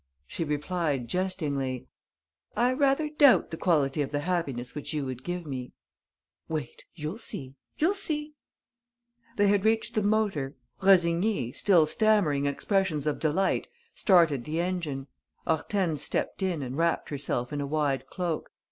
She replied, jestingly: "I rather doubt the quality of the happiness which you would give me." "Wait! You'll see! You'll see!" They had reached the motor. Rossigny, still stammering expressions of delight, started the engine. Hortense stepped in and wrapped herself in a wide cloak.